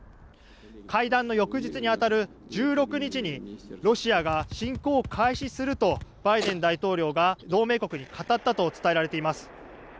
会談の翌日に当たる１６日にロシアが侵攻開始するとバイデン大統領が同盟国に語ったと伝えられています。